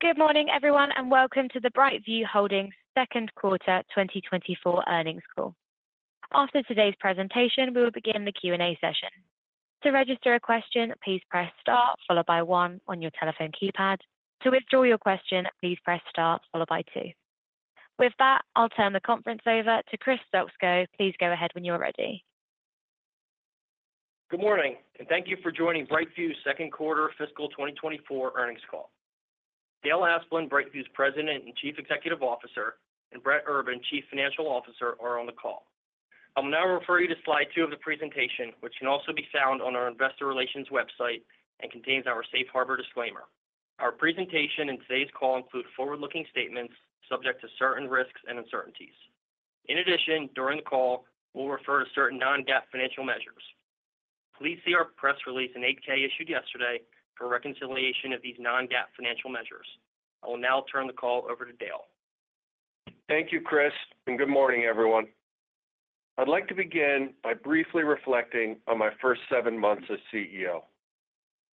Good morning, everyone, and welcome to the BrightView Holdings Second Quarter 2024 Earnings Call. After today's presentation, we will begin the Q&A session. To register a question, please press star followed by 1 on your telephone keypad. To withdraw your question, please press star followed by 2. With that, I'll turn the conference over to Chris Stoczko. Please go ahead when you're ready. Good morning, and thank you for joining BrightView's Second Quarter Fiscal 2024 Earnings Call. Dale Asplund, BrightView's President and Chief Executive Officer, and Brett Urban, Chief Financial Officer, are on the call. I will now refer you to slide 2 of the presentation, which can also be found on our Investor Relations website and contains our Safe Harbor disclaimer. Our presentation and today's call include forward-looking statements subject to certain risks and uncertainties. In addition, during the call, we'll refer to certain non-GAAP financial measures. Please see our press release and 8-K issued yesterday for reconciliation of these non-GAAP financial measures. I will now turn the call over to Dale. Thank you, Chris, and good morning, everyone. I'd like to begin by briefly reflecting on my first seven months as CEO.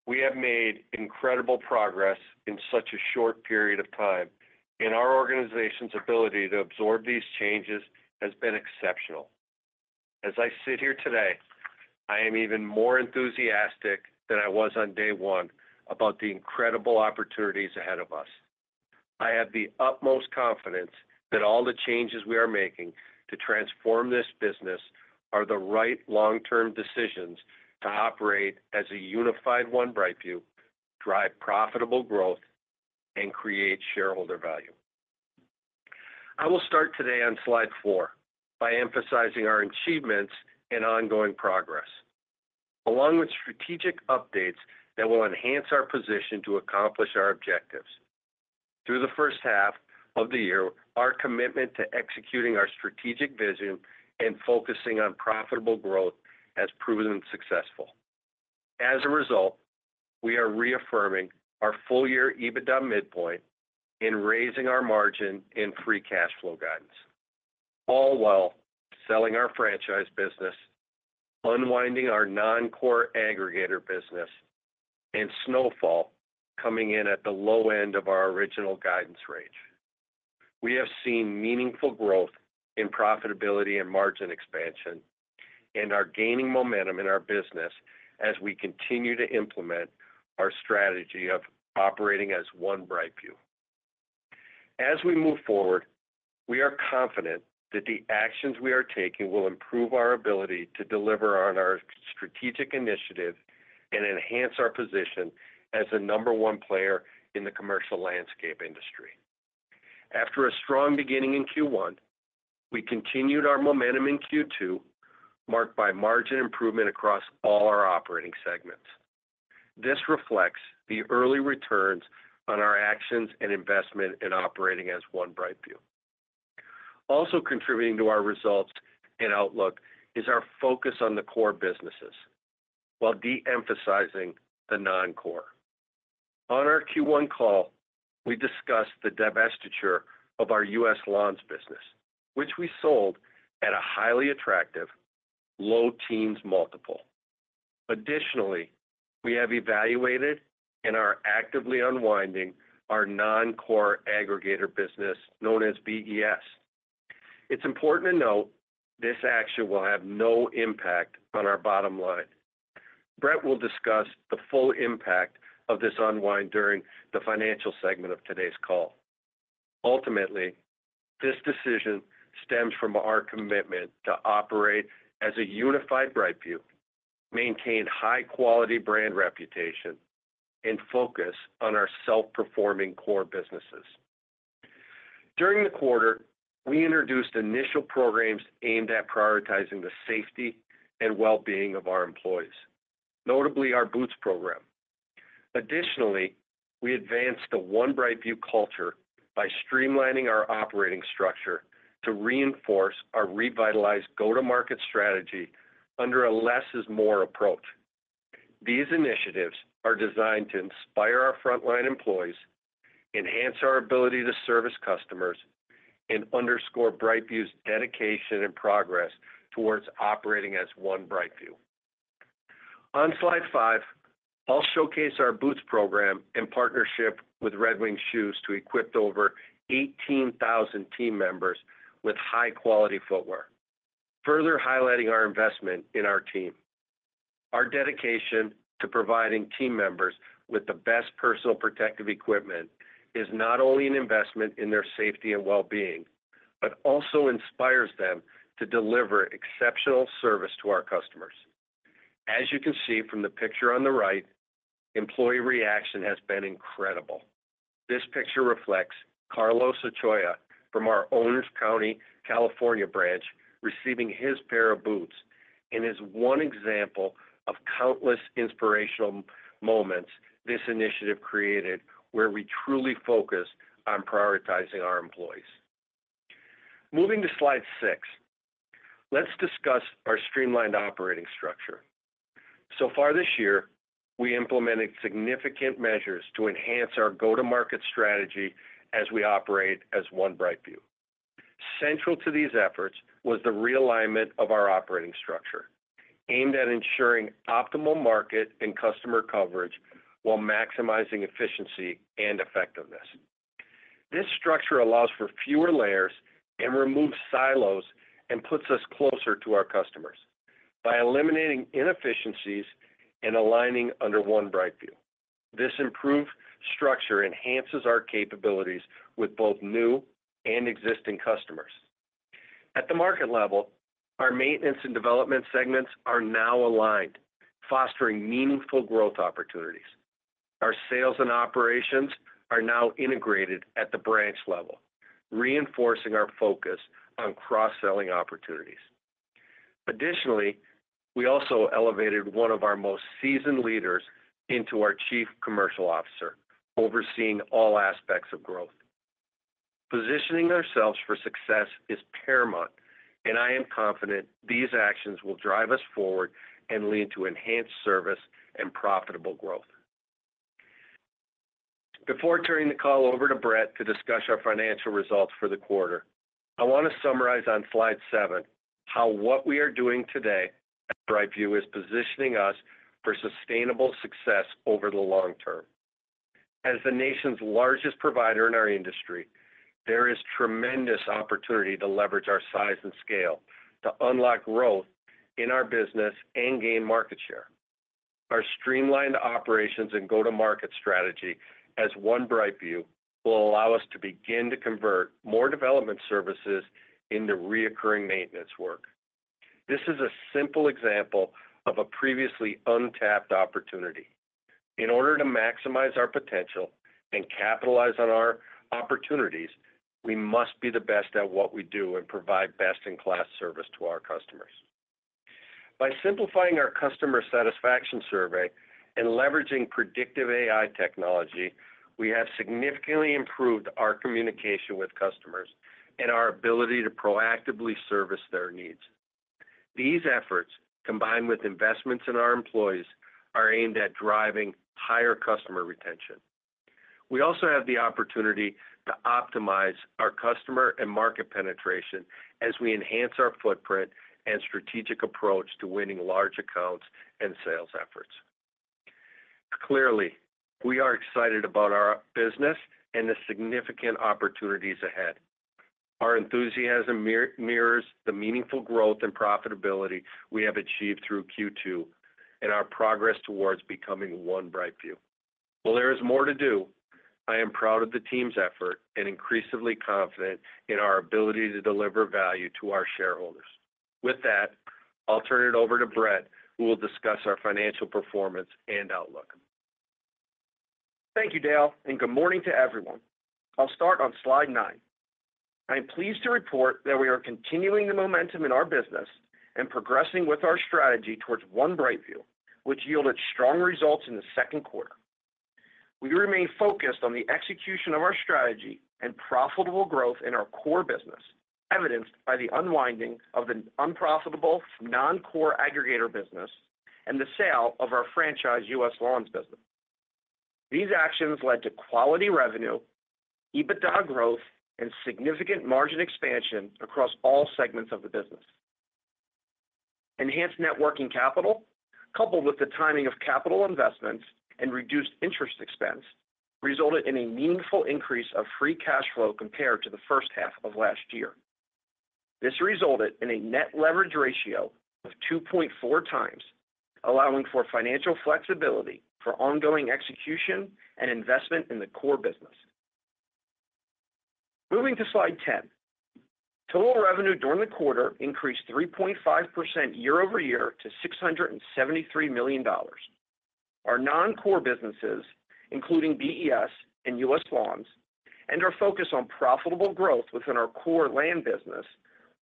We have made incredible progress in such a short period of time, and our organization's ability to absorb these changes has been exceptional. As I sit here today, I am even more enthusiastic than I was on day one about the incredible opportunities ahead of us. I have the utmost confidence that all the changes we are making to transform this business are the right long-term decisions to operate as a unified One BrightView, drive profitable growth, and create shareholder value. I will start today on slide 4 by emphasizing our achievements and ongoing progress, along with strategic updates that will enhance our position to accomplish our objectives. Through the first half of the year, our commitment to executing our strategic vision and focusing on profitable growth has proven successful. As a result, we are reaffirming our full-year EBITDA midpoint and raising our margin in free cash flow guidance, all while selling our franchise business, unwinding our non-core aggregator business, and Snowfall coming in at the low end of our original guidance range. We have seen meaningful growth in profitability and margin expansion and are gaining momentum in our business as we continue to implement our strategy of operating as One BrightView. As we move forward, we are confident that the actions we are taking will improve our ability to deliver on our strategic initiative and enhance our position as the number one player in the commercial landscape industry. After a strong beginning in Q1, we continued our momentum in Q2, marked by margin improvement across all our operating segments. This reflects the early returns on our actions and investment in operating as One BrightView. Contributing to our results and outlook is our focus on the core businesses while de-emphasizing the non-core. On our Q1 call, we discussed the divestiture of our U.S. Lawns business, which we sold at a highly attractive low teens multiple. Additionally, we have evaluated and are actively unwinding our non-core aggregator business known as BES. It's important to note this action will have no impact on our bottom line. Brett will discuss the full impact of this unwind during the financial segment of today's call. Ultimately, this decision stems from our commitment to operate as a unified BrightView, maintain high-quality brand reputation, and focus on our self-performing core businesses. During the quarter, we introduced initial programs aimed at prioritizing the safety and well-being of our employees, notably our Boots program. Additionally, we advanced the One BrightView culture by streamlining our operating structure to reinforce our revitalized go-to-market strategy under a less-is-more approach. These initiatives are designed to inspire our frontline employees, enhance our ability to service customers, and underscore BrightView's dedication and progress towards operating as One BrightView. On slide 5, I'll showcase our Boots program in partnership with Red Wing Shoes to equip over 18,000 team members with high-quality footwear, further highlighting our investment in our team. Our dedication to providing team members with the best personal protective equipment is not only an investment in their safety and well-being but also inspires them to deliver exceptional service to our customers. As you can see from the picture on the right, employee reaction has been incredible. This picture reflects Carlos Ochoa from our Orange County, California branch receiving his pair of boots and is one example of countless inspirational moments this initiative created where we truly focus on prioritizing our employees. Moving to slide 6, let's discuss our streamlined operating structure. So far this year, we implemented significant measures to enhance our go-to-market strategy as we operate as One BrightView. Central to these efforts was the realignment of our operating structure aimed at ensuring optimal market and customer coverage while maximizing efficiency and effectiveness. This structure allows for fewer layers and removes silos and puts us closer to our customers by eliminating inefficiencies and aligning under One BrightView. This improved structure enhances our capabilities with both new and existing customers. At the market level, our maintenance and development segments are now aligned, fostering meaningful growth opportunities. Our sales and operations are now integrated at the branch level, reinforcing our focus on cross-selling opportunities. Additionally, we also elevated one of our most seasoned leaders into our Chief Commercial Officer, overseeing all aspects of growth. Positioning ourselves for success is paramount, and I am confident these actions will drive us forward and lead to enhanced service and profitable growth. Before turning the call over to Brett to discuss our financial results for the quarter, I want to summarize on slide 7 how what we are doing today at BrightView is positioning us for sustainable success over the long term. As the nation's largest provider in our industry, there is tremendous opportunity to leverage our size and scale to unlock growth in our business and gain market share. Our streamlined operations and go-to-market strategy as One BrightView will allow us to begin to convert more development services into recurring maintenance work. This is a simple example of a previously untapped opportunity. In order to maximize our potential and capitalize on our opportunities, we must be the best at what we do and provide best-in-class service to our customers. By simplifying our customer satisfaction survey and leveraging Predictive AI technology, we have significantly improved our communication with customers and our ability to proactively service their needs. These efforts, combined with investments in our employees, are aimed at driving higher customer retention. We also have the opportunity to optimize our customer and market penetration as we enhance our footprint and strategic approach to winning large accounts and sales efforts. Clearly, we are excited about our business and the significant opportunities ahead. Our enthusiasm mirrors the meaningful growth and profitability we have achieved through Q2 and our progress towards becoming One BrightView. While there is more to do, I am proud of the team's effort and increasingly confident in our ability to deliver value to our shareholders. With that, I'll turn it over to Brett, who will discuss our financial performance and outlook. Thank you, Dale, and good morning to everyone. I'll start on slide 9. I am pleased to report that we are continuing the momentum in our business and progressing with our strategy towards One BrightView, which yielded strong results in the second quarter. We remain focused on the execution of our strategy and profitable growth in our core business, evidenced by the unwinding of the unprofitable non-core aggregator business and the sale of our franchise U.S. Lawns business. These actions led to quality revenue, EBITDA growth, and significant margin expansion across all segments of the business. Enhanced working capital, coupled with the timing of capital investments and reduced interest expense, resulted in a meaningful increase of free cash flow compared to the first half of last year. This resulted in a net leverage ratio of 2.4 times, allowing for financial flexibility for ongoing execution and investment in the core business. Moving to slide 10. Total revenue during the quarter increased 3.5% year-over-year to $673 million. Our non-core businesses, including BES and U.S. Lawns, and our focus on profitable growth within our core land business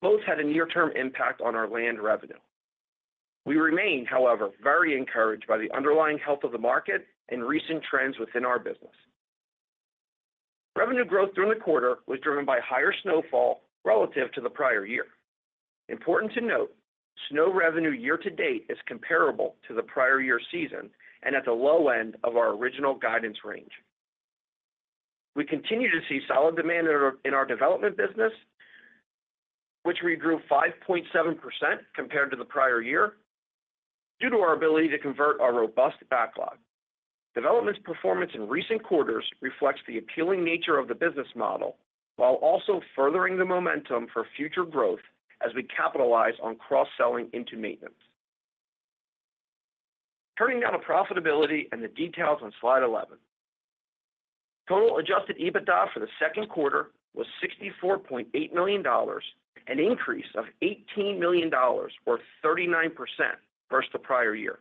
both had a near-term impact on our land revenue. We remain, however, very encouraged by the underlying health of the market and recent trends within our business. Revenue growth during the quarter was driven by higher Snowfall relative to the prior year. Important to note, snow revenue year to date is comparable to the prior year season and at the low end of our original guidance range. We continue to see solid demand in our development business, which regrew 5.7% compared to the prior year due to our ability to convert our robust backlog. Development's performance in recent quarters reflects the appealing nature of the business model while also furthering the momentum for future growth as we capitalize on cross-selling into maintenance. Turning now to profitability and the details on slide 11. Total Adjusted EBITDA for the second quarter was $64.8 million, an increase of $18 million or 39% versus the prior year,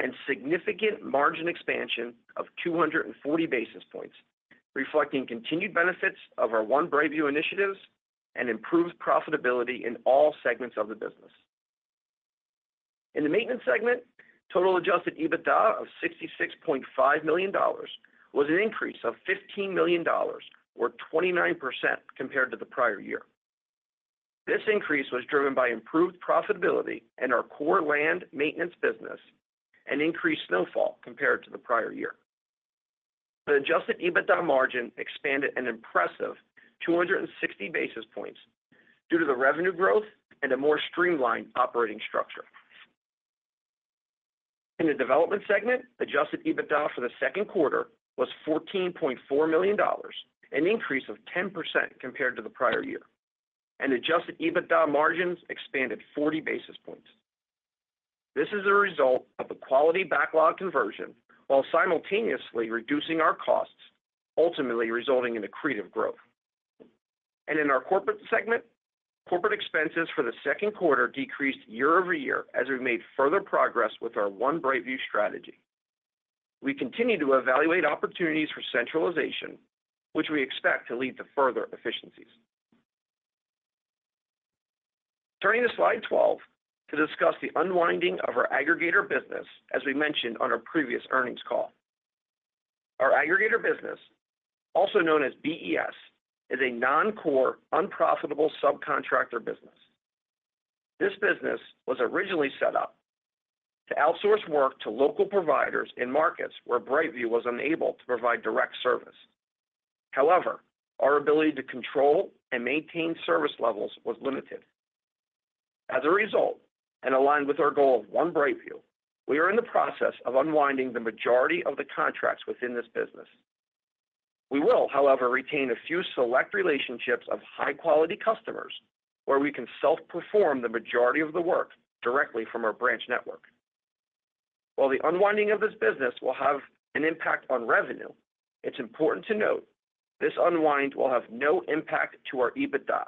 and significant margin expansion of 240 basis points, reflecting continued benefits of our One BrightView initiatives and improved profitability in all segments of the business. In the maintenance segment, total Adjusted EBITDA of $66.5 million was an increase of $15 million or 29% compared to the prior year. This increase was driven by improved profitability in our core land maintenance business and increased Snowfall compared to the prior year. The Adjusted EBITDA margin expanded an impressive 260 basis points due to the revenue growth and a more streamlined operating structure. In the development segment, adjusted EBITDA for the second quarter was $14.4 million, an increase of 10% compared to the prior year, and adjusted EBITDA margins expanded 40 basis points. This is a result of a quality backlog conversion while simultaneously reducing our costs, ultimately resulting in accretive growth. In our corporate segment, corporate expenses for the second quarter decreased year-over-year as we made further progress with our One BrightView strategy. We continue to evaluate opportunities for centralization, which we expect to lead to further efficiencies. Turning to slide 12 to discuss the unwinding of our aggregator business, as we mentioned on our previous earnings call. Our aggregator business, also known as BES, is a non-core unprofitable subcontractor business. This business was originally set up to outsource work to local providers in markets where BrightView was unable to provide direct service. However, our ability to control and maintain service levels was limited. As a result, and aligned with our goal of One BrightView, we are in the process of unwinding the majority of the contracts within this business. We will, however, retain a few select relationships of high-quality customers where we can self-perform the majority of the work directly from our branch network. While the unwinding of this business will have an impact on revenue, it's important to note this unwind will have no impact to our EBITDA.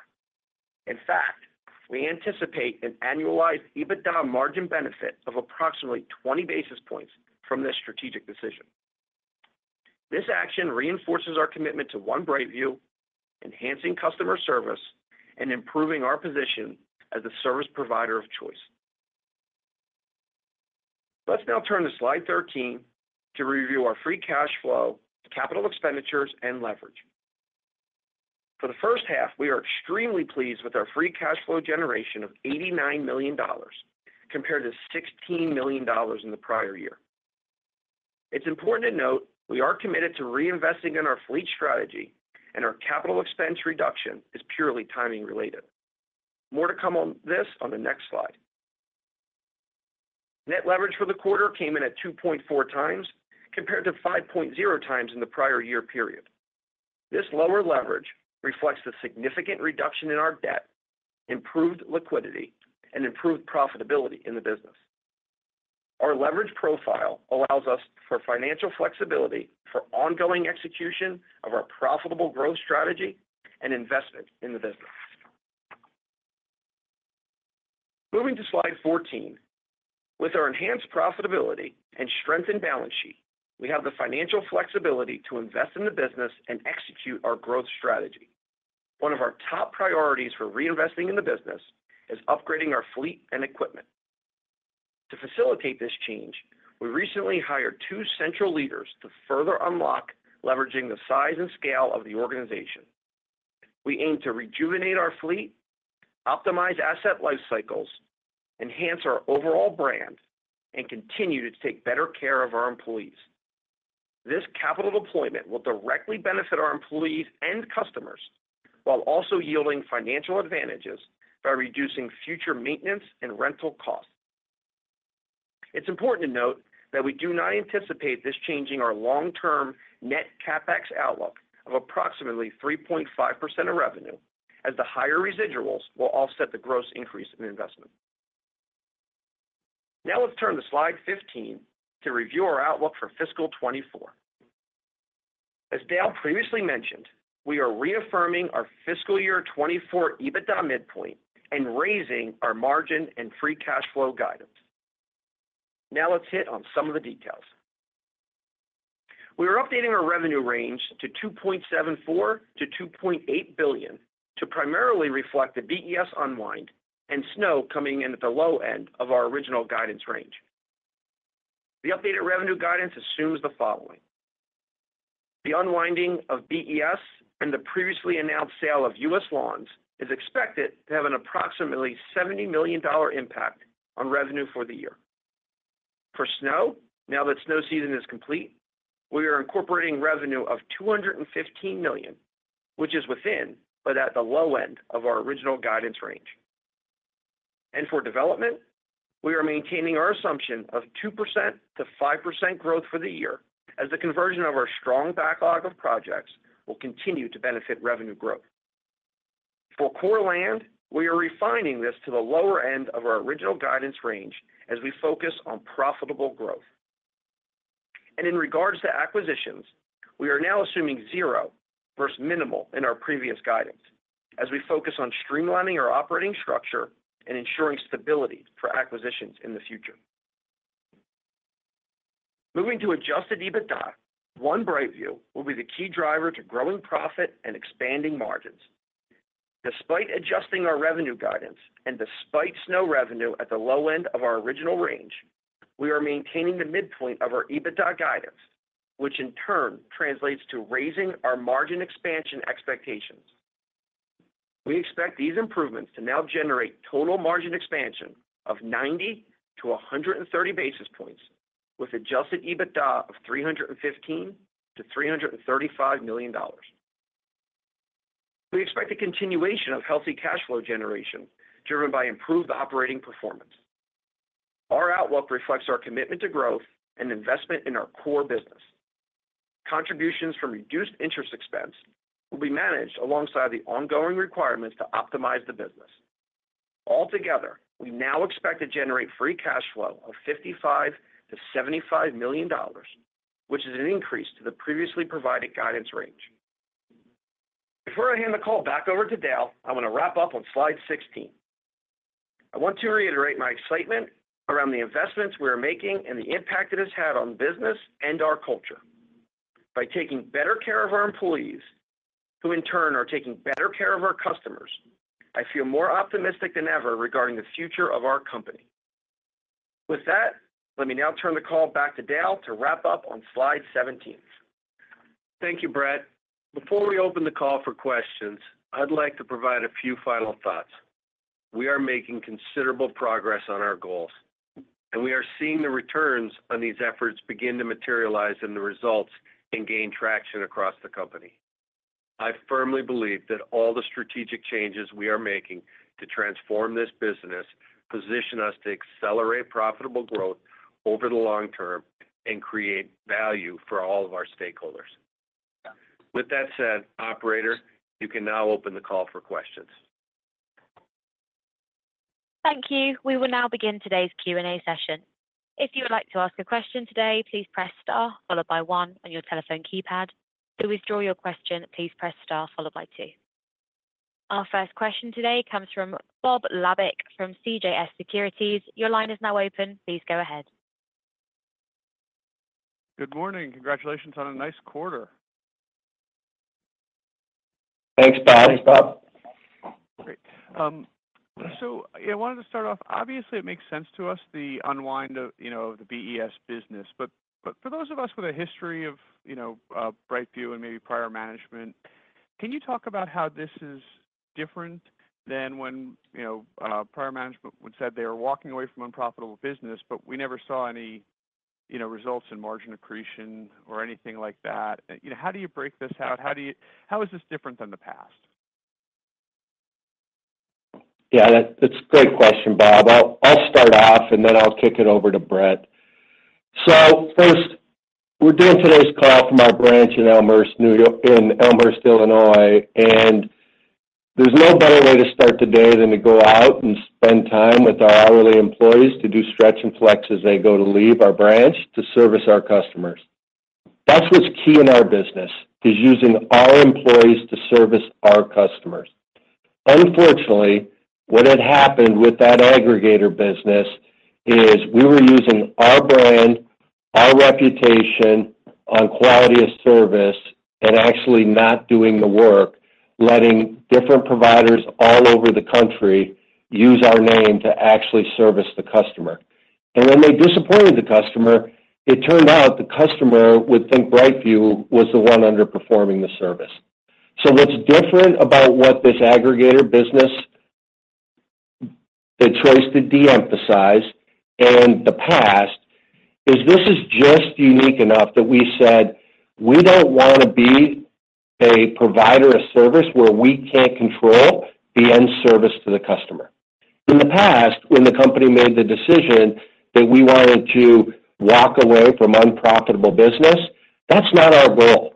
In fact, we anticipate an annualized EBITDA margin benefit of approximately 20 basis points from this strategic decision. This action reinforces our commitment to One BrightView, enhancing customer service and improving our position as the service provider of choice. Let's now turn to slide 13 to review our free cash flow, capital expenditures, and leverage . For the first half, we are extremely pleased with our free cash flow generation of $89 million compared to $16 million in the prior year. It's important to note we are committed to reinvesting in our fleet strategy, and our capital expense reduction is purely timing related. More to come on this on the next slide. Net leverage for the quarter came in at 2.4x compared to 5.0x in the prior year period. This lower leverage reflects the significant reduction in our debt, improved liquidity, and improved profitability in the business. Our leverage profile allows us for financial flexibility for ongoing execution of our profitable growth strategy and investment in the business. Moving to slide 14. With our enhanced profitability and strengthened balance sheet, we have the financial flexibility to invest in the business and execute our growth strategy. One of our top priorities for reinvesting in the business is upgrading our fleet and equipment. To facilitate this change, we recently hired two central leaders to further unlock leveraging the size and scale of the organization. We aim to rejuvenate our fleet, optimize asset lifecycles, enhance our overall brand, and continue to take better care of our employees. This capital deployment will directly benefit our employees and customers while also yielding financial advantages by reducing future maintenance and rental costs. It's important to note that we do not anticipate this changing our long-term net CapEx outlook of approximately 3.5% of revenue, as the higher residuals will offset the gross increase in investment. Now let's turn to slide 15 to review our outlook for fiscal 2024. As Dale previously mentioned, we are reaffirming our fiscal year 2024 EBITDA midpoint and raising our margin and free cash flow guidance. Now let's hit on some of the details. We are updating our revenue range to $2.74 billion-$2.8 billion to primarily reflect the BES unwind and snow coming in at the low end of our original guidance range. The updated revenue guidance assumes the following. The unwinding of BES and the previously announced sale of U.S. Lawns is expected to have an approximately $70 million impact on revenue for the year. For snow, now that snow season is complete, we are incorporating revenue of $215 million, which is within but at the low end of our original guidance range. And for development, we are maintaining our assumption of 2%-5% growth for the year, as the conversion of our strong backlog of projects will continue to benefit revenue growth. For core land, we are refining this to the lower end of our original guidance range as we focus on profitable growth. In regards to acquisitions, we are now assuming 0 versus minimal in our previous guidance as we focus on streamlining our operating structure and ensuring stability for acquisitions in the future. Moving to Adjusted EBITDA, One BrightView will be the key driver to growing profit and expanding margins. Despite adjusting our revenue guidance and despite snow revenue at the low end of our original range, we are maintaining the midpoint of our EBITDA guidance, which in turn translates to raising our margin expansion expectations. We expect these improvements to now generate total margin expansion of 90-130 basis points with Adjusted EBITDA of $315 million-$335 million. We expect a continuation of healthy cash flow generation driven by improved operating performance. Our outlook reflects our commitment to growth and investment in our core business. Contributions from reduced interest expense will be managed alongside the ongoing requirements to optimize the business. Altogether, we now expect to generate free cash flow of $55 million-$75 million, which is an increase to the previously provided guidance range. Before I hand the call back over to Dale, I want to wrap up on slide 16. I want to reiterate my excitement around the investments we are making and the impact it has had on the business and our culture. By taking better care of our employees, who in turn are taking better care of our customers, I feel more optimistic than ever regarding the future of our company. With that, let me now turn the call back to Dale to wrap up on slide 17. Thank you, Brett. Before we open the call for questions, I'd like to provide a few final thoughts. We are making considerable progress on our goals, and we are seeing the returns on these efforts begin to materialize in the results and gain traction across the company. I firmly believe that all the strategic changes we are making to transform this business position us to accelerate profitable growth over the long term and create value for all of our stakeholders. With that said, operator, you can now open the call for questions. Thank you. We will now begin today's Q&A session. If you would like to ask a question today, please press star followed by 1 on your telephone keypad. To withdraw your question, please press star followed by 2. Our first question today comes from Bob Labick from CJS Securities. Your line is now open. Please go ahead. Good morning. Congratulations on a nice quarter. Thanks, Bob. Thanks, Bob. Great. I wanted to start off. Obviously, it makes sense to us the unwind of the BES business. But for those of us with a history of BrightView and maybe prior management, can you talk about how this is different than when prior management would say they were walking away from unprofitable business, but we never saw any results in margin accretion or anything like that? How do you break this out? How is this different than the past? Yeah, that's a great question, Bob. I'll start off, and then I'll kick it over to Brett. So first, we're doing today's call from our branch in Elmhurst, Illinois. There's no better way to start the day than to go out and spend time with our hourly employees to do stretch and flex as they go to leave our branch to service our customers. That's what's key in our business, is using our employees to service our customers. Unfortunately, what had happened with that aggregator business is we were using our brand, our reputation on quality of service, and actually not doing the work, letting different providers all over the country use our name to actually service the customer. When they disappointed the customer, it turned out the customer would think BrightView was the one underperforming the service. So what's different about this aggregator business, the choice to de-emphasize in the past, is that this is just unique enough that we said, "We don't want to be a provider of service where we can't control the end service to the customer." In the past, when the company made the decision that we wanted to walk away from unprofitable business, that's not our goal.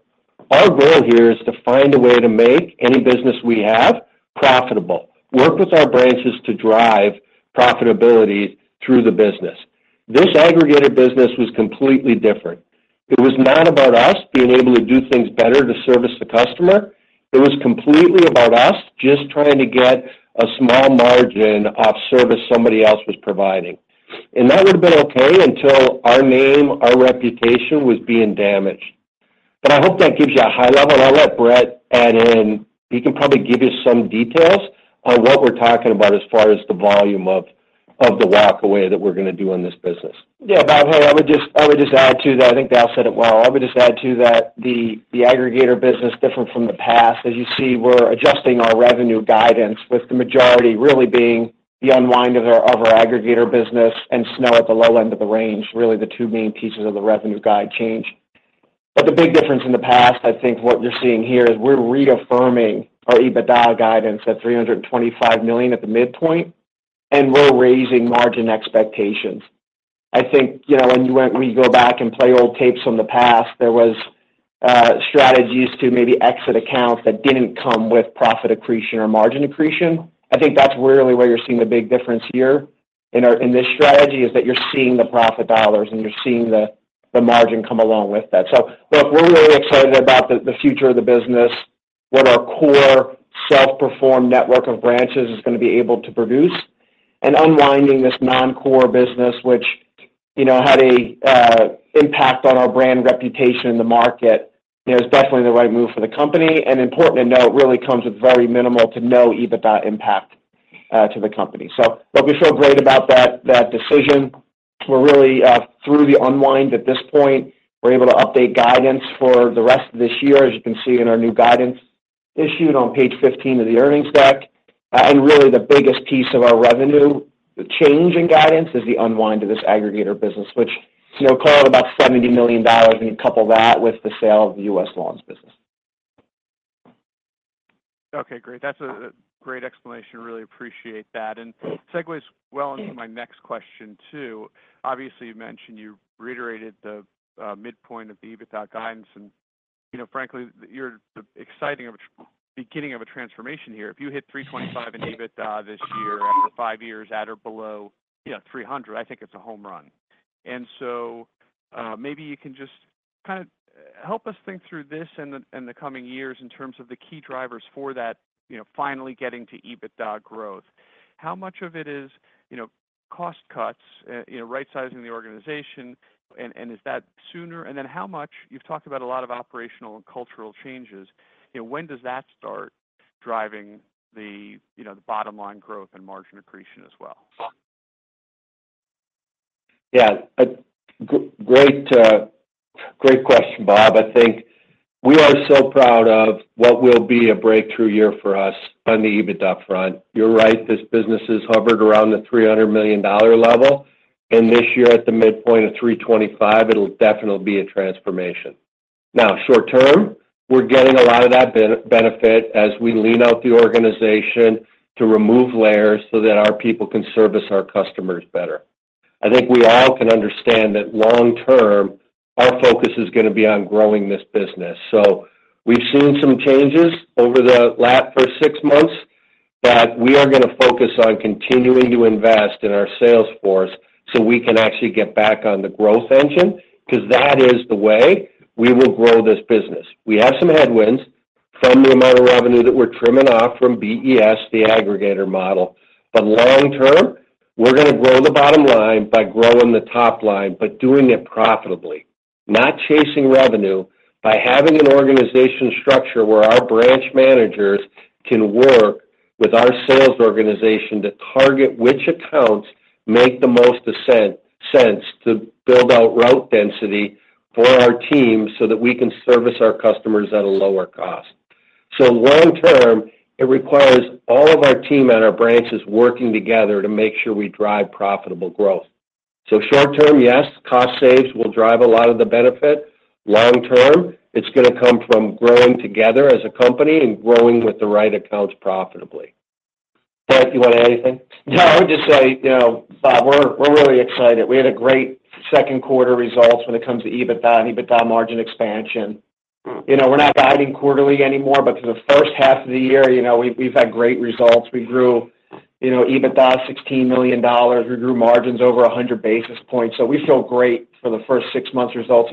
Our goal here is to find a way to make any business we have profitable, work with our branches to drive profitability through the business. This aggregator business was completely different. It was not about us being able to do things better to service the customer. It was completely about us just trying to get a small margin off service somebody else was providing. And that would have been okay until our name, our reputation was being damaged. I hope that gives you a high level. I'll let Brett add in. He can probably give you some details on what we're talking about as far as the volume of the walk away that we're going to do in this business. Yeah, Bob, hey, I would just add to that. I think Dale said it well. I would just add to that the aggregator business, different from the past, as you see, we're adjusting our revenue guidance with the majority really being the unwind of our aggregator business and snow at the low end of the range, really the two main pieces of the revenue guide change. The big difference in the past, I think what you're seeing here is we're reaffirming our EBITDA guidance at $325 million at the midpoint, and we're raising margin expectations. I think when we go back and play old tapes from the past, there was strategies to maybe exit accounts that didn't come with profit accretion or margin accretion. I think that's really where you're seeing the big difference here in this strategy, is that you're seeing the profit dollars and you're seeing the margin come along with that. Look, we're really excited about the future of the business, what our core self-perform network of branches is going to be able to produce, and unwinding this non-core business, which had an impact on our brand reputation in the market, is definitely the right move for the company. Important to note, it really comes with very minimal to no EBITDA impact to the company. So look, we feel great about that decision. We're really through the unwind at this point. We're able to update guidance for the rest of this year, as you can see in our new guidance issued on page 15 of the earnings deck. Really, the biggest piece of our revenue change in guidance is the unwind of this aggregator business, which is about $70 million, and you couple that with the sale of the U.S. Lawns business. Okay, great. That's a great explanation. Really appreciate that. And segues well into my next question too. Obviously, you mentioned you reiterated the midpoint of the EBITDA guidance. And frankly, you're the exciting beginning of a transformation here. If you hit 325 in EBITDA this year after five years at or below 300, I think it's a home run. Maybe you can just kind of help us think through this in the coming years in terms of the key drivers for that finally getting to EBITDA growth. How much of it is cost cuts, right-sizing the organization, Is that sooner? How much you've talked about a lot of operational and cultural changes. When does that start driving the bottom line growth and margin accretion as well? Yeah, great question, Bob. I think we are so proud of what will be a breakthrough year for us on the EBITDA front. You're right. This business has hovered around the $300 million level. And this year, at the midpoint of $325 million, it'll definitely be a transformation. Now, short term, we're getting a lot of that benefit as we lean out the organization to remove layers so that our people can service our customers better. I think we all can understand that long term, our focus is going to be on growing this business. We've seen some changes over the last six months, but we are going to focus on continuing to invest in our sales force so we can actually get back on the growth engine because that is the way we will grow this business. We have some headwinds from the amount of revenue that we're trimming off from BES, the aggregator model. In the long term, we're going to grow the bottom line by growing the top line, but doing it profitably, not chasing revenue, by having an organization structure where our branch managers can work with our sales organization to target which accounts make the most sense to build out route density for our team so that we can service our customers at a lower cost. Long term, it requires all of our team at our branches working together to make sure we drive profitable growth. Short term, yes, cost saves will drive a lot of the benefit. Long term, it's going to come from growing together as a company and growing with the right accounts profitably. Brett, you want to add anything? No, I would just say, Bob, we're really excited. We had a great second quarter results when it comes to EBITDA and EBITDA margin expansion. We're not guiding quarterly anymore, but for the first half of the year, we've had great results. We grew EBITDA $16 million. We grew margins over 100 basis points. So we feel great for the first six months results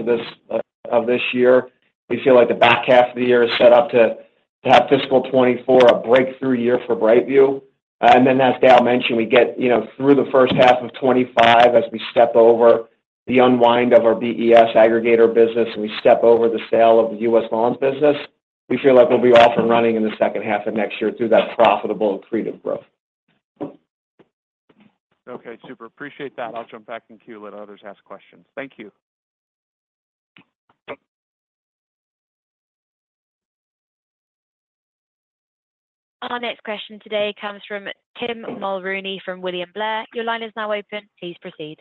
of this year. We feel like the back half of the year is set up to have fiscal 2024 a breakthrough year for BrightView. As Dale mentioned, we get through the first half of 2025 as we step over the unwind of our BES aggregator business and we step over the sale of the U.S. Lawns business, we feel like we'll be off and running in the second half of next year through that profitable and creative growth. Okay, super. Appreciate that. I'll jump back in queue to let others ask questions. Thank you. Our next question today comes from Tim Mulrooney from William Blair. Your line is now open. Please proceed.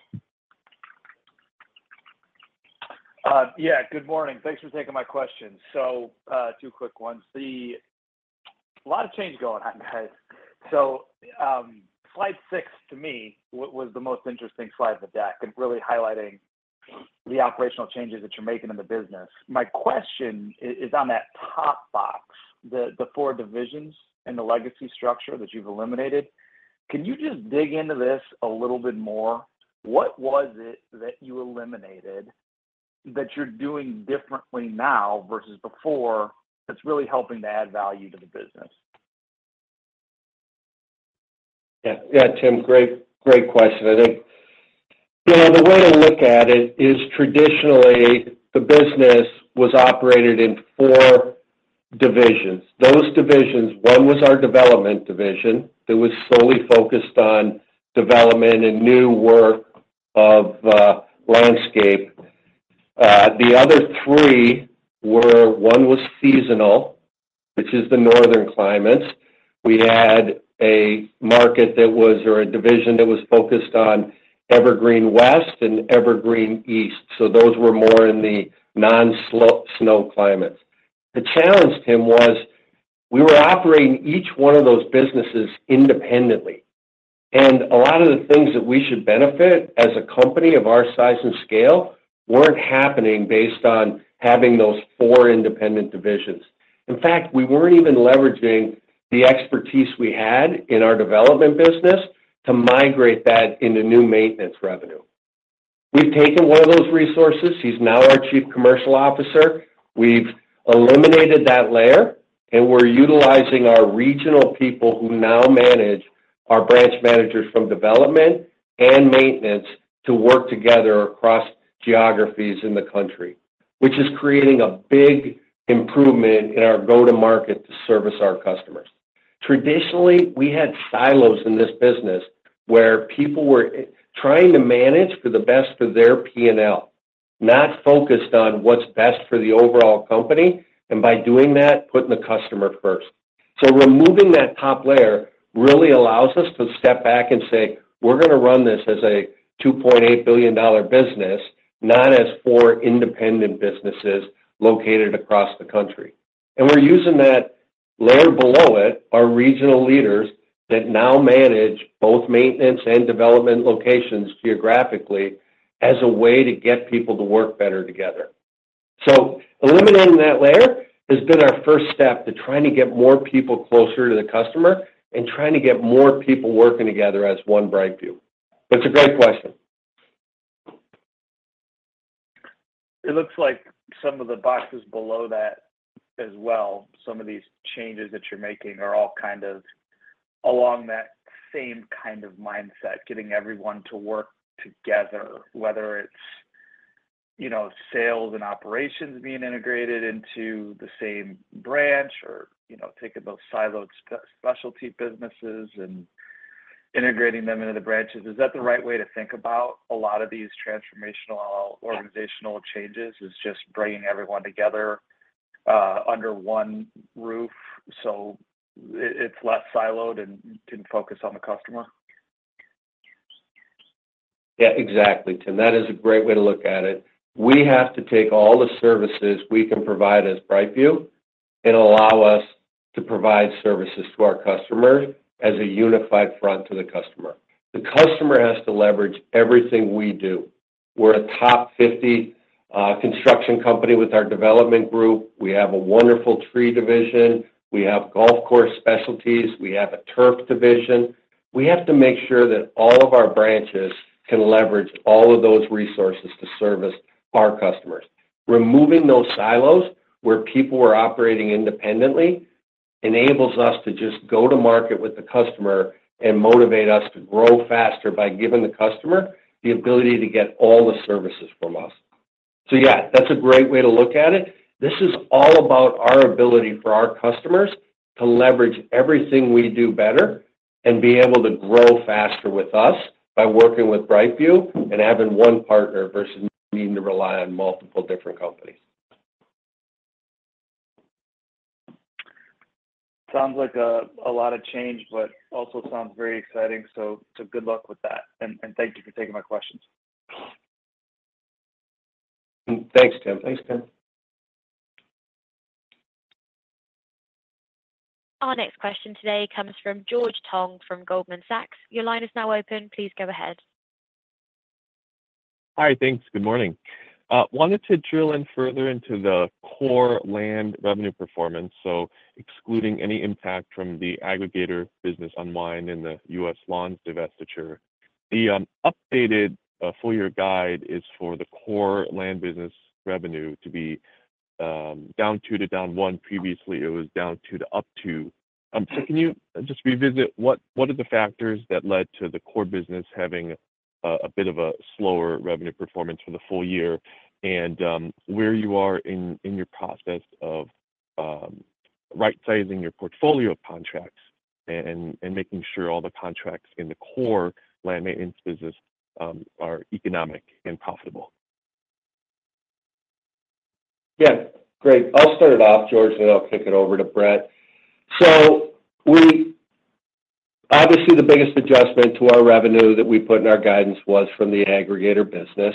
Yeah, good morning. Thanks for taking my questions. Two quick ones. A lot of change going on, guys. Slide 6, to me, was the most interesting slide of the deck and really highlighting the operational changes that you're making in the business. My question is on that top box, the four divisions and the legacy structure that you've eliminated. Can you just dig into this a little bit more? What was it that you eliminated that you're doing differently now versus before that's really helping to add value to the business? Yeah, Tim, great question. I think the way to look at it is traditionally, the business was operated in four divisions. One was our development division that was solely focused on development and new work of landscape. The other three were one was seasonal, which is the northern climates. We had a market that was or a division that was focused on Evergreen West and Evergreen East. Those were more in the non-snow climates. The challenge, Tim, was we were operating each one of those businesses independently. Alot of the things that we should benefit as a company of our size and scale weren't happening based on having those four independent divisions. In fact, we weren't even leveraging the expertise we had in our development business to migrate that into new maintenance revenue. We've taken one of those resources. He's now our Chief Commercial Officer. We've eliminated that layer, and we're utilizing our regional people who now manage our branch managers from development and maintenance to work together across geographies in the country, which is creating a big improvement in our go-to-market to service our customers. Traditionally, we had silos in this business where people were trying to manage for the best for their P&L, not focused on what's best for the overall company, and by doing that, putting the customer first. Removing that top layer really allows us to step back and say, "We're going to run this as a $2.8 billion business, not as four independent businesses located across the country." We're using that layer below it, our regional leaders that now manage both maintenance and development locations geographically as a way to get people to work better together. Eliminating that layer has been our first step to trying to get more people closer to the customer and trying to get more people working together as One BrightView. It's a great question. It looks like some of the boxes below that as well, some of these changes that you're making are all kind of along that same kind of mindset, getting everyone to work together, whether it's sales and operations being integrated into the same branch or taking those siloed specialty businesses and integrating them into the branches. Is that the right way to think about a lot of these transformational organizational changes? Is just bringing everyone together under one roof so it's less siloed and can focus on the customer? Yeah, exactly, Tim. That is a great way to look at it. We have to take all the services we can provide as BrightView and allow us to provide services to our customers as a unified front to the customer. The customer has to leverage everything we do. We're a top 50 construction company with our development group. We have a wonderful tree division. We have golf course specialties. We have a turf division. We have to make sure that all of our branches can leverage all of those resources to service our customers. Removing those silos where people were operating independently enables us to just go to market with the customer and motivate us to grow faster by giving the customer the ability to get all the services from us. Yeah, that's a great way to look at it. This is all about our ability for our customers to leverage everything we do better and be able to grow faster with us by working with BrightView and having one partner versus needing to rely on multiple different companies. Sounds like a lot of change, but also sounds very exciting. Good luck with that. Thank you for taking my questions. Thanks, Tim. Our next question today comes from George Tong from Goldman Sachs. Your line is now open. Please go ahead. Hi, thanks. Good morning. Wanted to drill in further into the core land revenue performance, so excluding any impact from the aggregator business unwind in the U.S. Lawns divestiture. The updated full-year guide is for the core land business revenue to be down 2 to down 1. Previously, it was down 2 to up 2. Can you just revisit what are the factors that led to the core business having a bit of a slower revenue performance for the full year and where you are in your process of right-sizing your portfolio of contracts and making sure all the contracts in the core land maintenance business are economic and profitable? Yeah, great. I'll start it off, George, and then I'll kick it over to Brett. Obviously, the biggest adjustment to our revenue that we put in our guidance was from the aggregator business.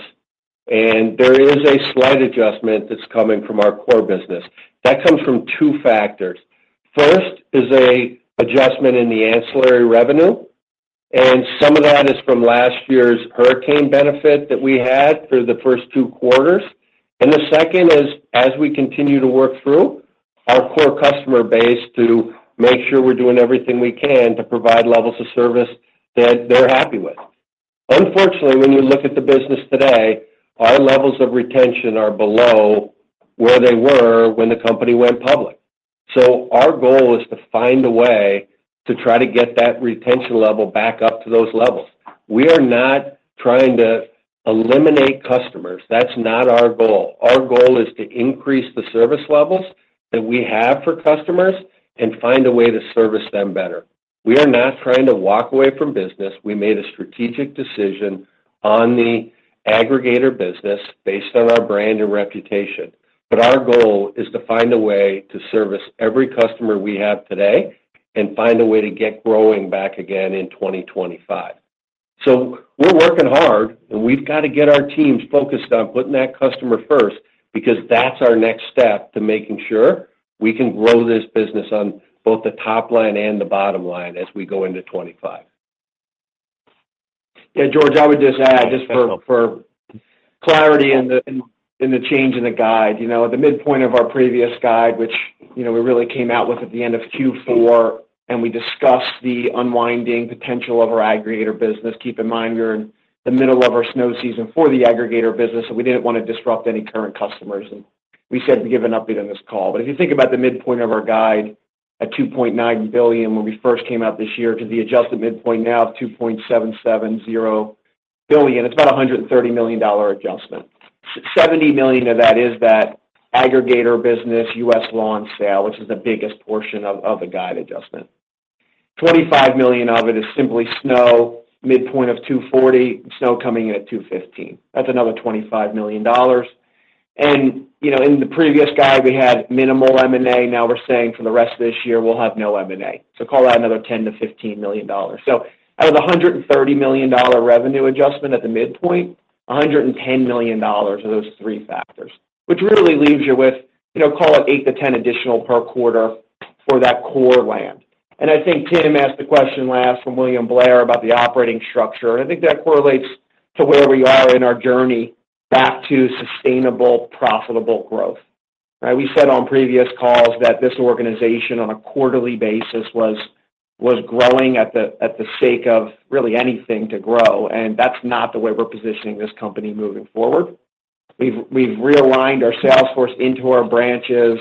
There is a slight adjustment that's coming from our core business. That comes from two factors. First is an adjustment in the ancillary revenue, and some of that is from last year's hurricane benefit that we had for the first two quarters. The second is, as we continue to work through our core customer base to make sure we're doing everything we can to provide levels of service that they're happy with. Unfortunately, when you look at the business today, our levels of retention are below where they were when the company went public. Our goal is to find a way to try to get that retention level back up to those levels. We are not trying to eliminate customers. That's not our goal. Our goal is to increase the service levels that we have for customers and find a way to service them better. We are not trying to walk away from business. We made a strategic decision on the aggregator business based on our brand and reputation. Our goal is to find a way to service every customer we have today and find a way to get growing back again in 2025. We're working hard, and we've got to get our teams focused on putting that customer first because that's our next step to making sure we can grow this business on both the top line and the bottom line as we go into 2025. Yeah, George, I would just add, just for clarity in the change in the guide, at the midpoint of our previous guide, which we really came out with at the end of Q4, and we discussed the unwinding potential of our aggregator business. Keep in mind, we're in the middle of our snow season for the aggregator business, we didn't want to disrupt any current customers. We said we'd give an update on this call. If you think about the midpoint of our guide at $2.9 billion when we first came out this year to the adjusted midpoint now of $2.770 billion, it's about a $130 million adjustment. $70 million of that is that aggregator business U.S. Lawns sale, which is the biggest portion of the guide adjustment. $25 million of it is simply snow, midpoint of $240 million, snow coming in at $215 million. That's another $25 million. In the previous guide, we had minimal M&A. Now we're saying for the rest of this year, we'll have no M&A. So call that another $10-$15 million. Out of the $130 million revenue adjustment at the midpoint, $110 million are those three factors, which really leaves you with, call it, 8-10 additional per quarter for that core land. I think Tim asked the question last from William Blair about the operating structure. I think that correlates to wherever you are in our journey back to sustainable, profitable growth. We said on previous calls that this organization, on a quarterly basis, was growing at the sake of really anything to grow. That's not the way we're positioning this company moving forward. We've realigned our sales force into our branches.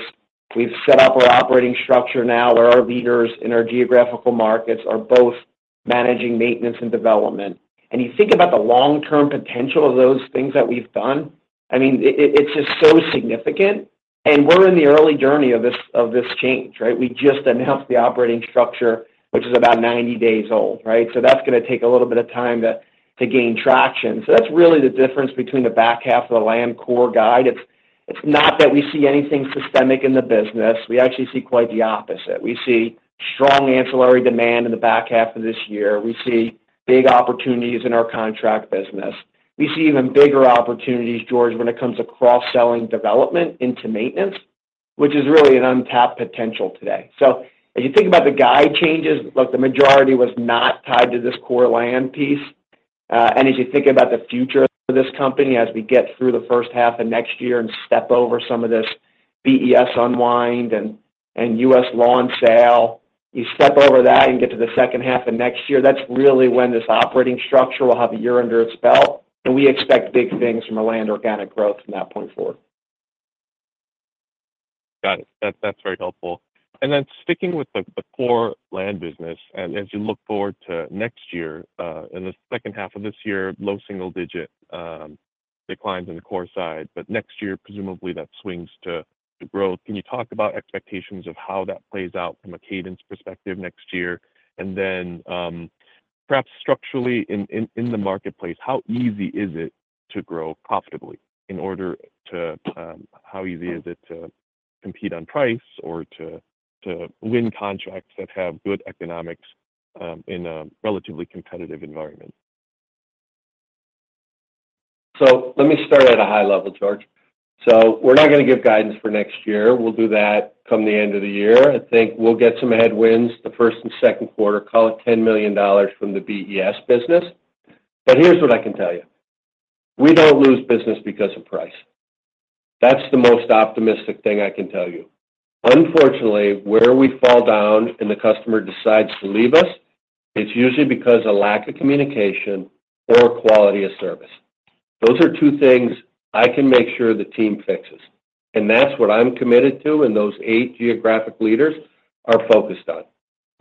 We've set up our operating structure now where our leaders in our geographical markets are both managing maintenance and development. Do you think about the long-term potential of those things that we've done, I mean, it's just so significant. We're in the early journey of this change, right? We just announced the operating structure, which is about 90 days old, right? So that's going to take a little bit of time to gain traction. That's really the difference between the back half of the land core guide. It's not that we see anything systemic in the business. We actually see quite the opposite. We see strong ancillary demand in the back half of this year. We see big opportunities in our contract business. We see even bigger opportunities, George, when it comes to cross-selling development into maintenance, which is really an untapped potential today. As you think about the guide changes, look, the majority was not tied to this core land piece. And as you think about the future of this company as we get through the first half of next year and step over some of this BES unwind and U.S. Lawns sale, you step over that and get to the second half of next year, that's really when this operating structure will have a year under its belt. And we expect big things from our land organic growth from that point forward. Got it. That's very helpful. Sticking with the core land business, and as you look forward to next year, in the second half of this year, low single-digit declines in the core side. Next year, presumably, that swings to growth. Can you talk about expectations of how that plays out from a cadence perspective next year? Perhaps structurally in the marketplace, how easy is it to grow profitably in order to how easy is it to compete on price or to win contracts that have good economics in a relatively competitive environment? Let me start at a high level, George. We're not going to give guidance for next year. We'll do that come the end of the year. I think we'll get some headwinds the first and second quarter, call it $10 million from the BES business. Here's what I can tell you. We don't lose business because of price. That's the most optimistic thing I can tell you. Unfortunately, where we fall down and the customer decides to leave us, it's usually because of lack of communication or quality of service. Those are two things I can make sure the team fixes. And that's what I'm committed to and those eight geographic leaders are focused on.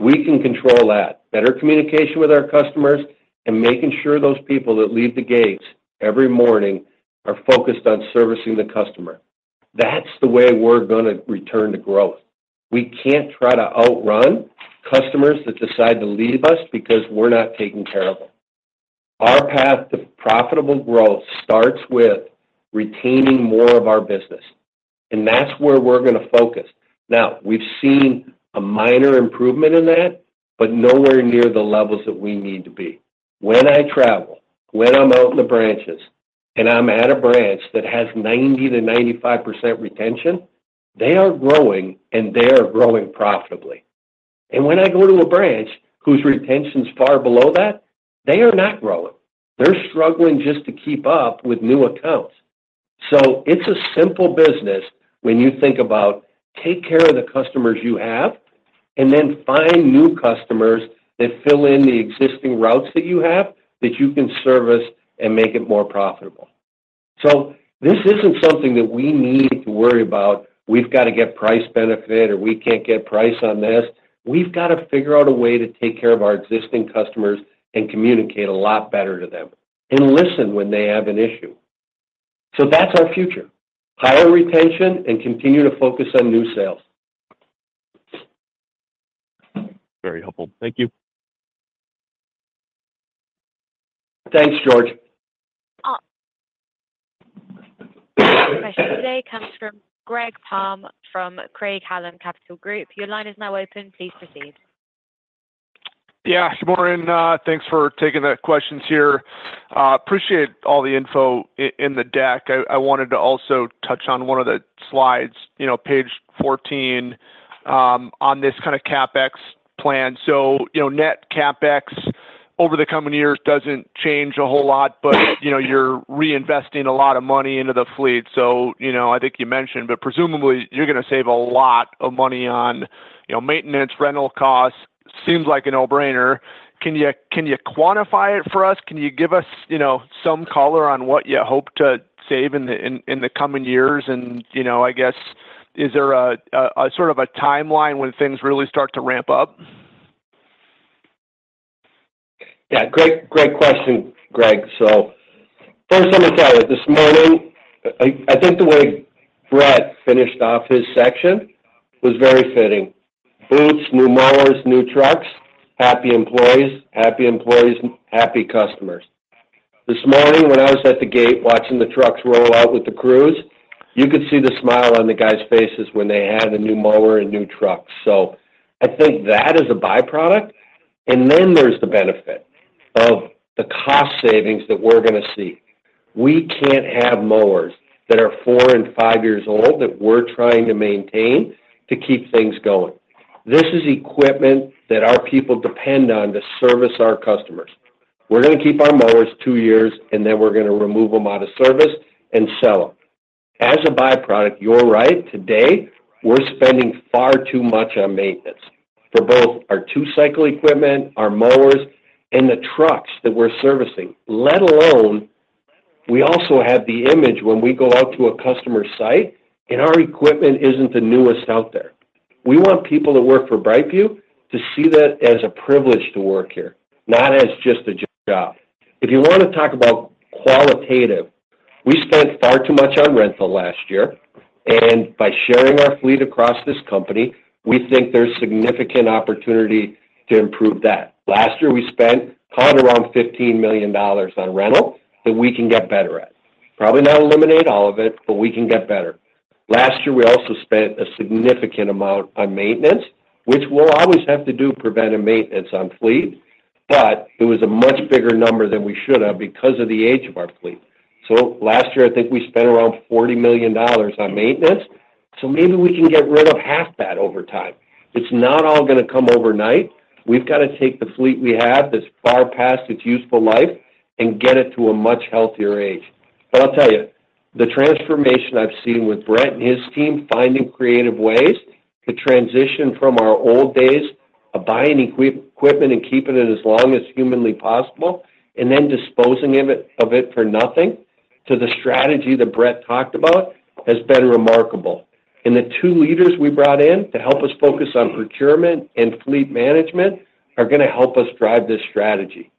We can control that, better communication with our customers, and making sure those people that leave the gates every morning are focused on servicing the customer. That's the way we're going to return to growth. We can't try to outrun customers that decide to leave us because we're not taken care of them. Our path to profitable growth starts with retaining more of our business. That's where we're going to focus. Now, we've seen a minor improvement in that, but nowhere near the levels that we need to be. When I travel, when I'm out in the branches, and I'm at a branch that has 90%-95% retention, they are growing, and they are growing profitably. When I go to a branch whose retention's far below that, they are not growing. They're struggling just to keep up with new accounts. It's a simple business when you think about take care of the customers you have and then find new customers that fill in the existing routes that you have that you can service and make it more profitable. This isn't something that we need to worry about. We've got to get price benefit or we can't get price on this. We've got to figure out a way to take care of our existing customers and communicate a lot better to them and listen when they have an issue. That's our future. Higher retention and continue to focus on new sales. Very helpful. Thank you. Thanks, George. Question today comes from Greg Palm from Craig-Hallum Capital Group. Your line is now open. Please proceed. Yeah, Good morning, thanks for taking the questions here. Appreciate all the info in the deck. I wanted to also touch on one of the slides, page 14, on this kind of CapEx plan. net CapEx over the coming years doesn't change a whole lot, you're reinvesting a lot of money into the fleet. So I think you mentioned, but presumably, you're going to save a lot of money on maintenance, rental costs. Seems like a no-brainer. Can you quantify it for us? Can you give us some color on what you hope to save in the coming years? I guess, is there sort of a timeline when things really start to ramp up? Yeah, great question, Greg. So first, let me tell you, this morning, I think the way Brett finished off his section was very fitting. Boots, new mowers, new trucks, happy employees, happy employees, happy customers. This morning, when I was at the gate watching the trucks roll out with the crews, you could see the smile on the guys' faces when they had a new mower and new trucks. I think that is a byproduct. there's the benefit of the cost savings that we're going to see. We can't have mowers that are four and five years old that we're trying to maintain to keep things going. This is equipment that our people depend on to service our customers. We're going to keep our mowers two years, and then we're going to remove them out of service and sell them. As a byproduct, you're right. Today, we're spending far too much on maintenance for both our two-cycle equipment, our mowers, and the trucks that we're servicing, let alone we also have the image when we go out to a customer site and our equipment isn't the newest out there. We want people that work for BrightView to see that as a privilege to work here, not as just a job. If you want to talk about qualitative, we spent far too much on rental last year. By sharing our fleet across this company, we think there's significant opportunity to improve that. Last year, we spent, call it, around $15 million on rental that we can get better at. Probably not eliminate all of it, but we can get better. Last year, we also spent a significant amount on maintenance, which we'll always have to do preventive maintenance on fleet, it was a much bigger number than we should have because of the age of our fleet. Last year, I think we spent around $40 million on maintenance. Maybe we can get rid of half that over time. It's not all going to come overnight. We've got to take the fleet we have that's far past its useful life and get it to a much healthier age. I'll tell you, the transformation I've seen with Brett and his team finding creative ways to transition from our old days of buying equipment and keeping it as long as humanly possible and then disposing of it for nothing to the strategy that Brett talked about has been remarkable. The two leaders we brought in to help us focus on procurement and fleet management are going to help us drive this strategy.